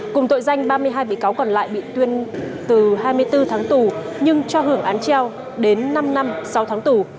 cùng tội danh ba mươi hai bị cáo còn lại bị tuyên từ hai mươi bốn tháng tù nhưng cho hưởng án treo đến năm năm sáu tháng tù